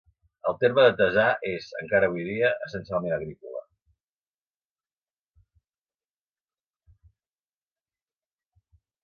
El terme de Tesà és, encara avui dia, essencialment agrícola.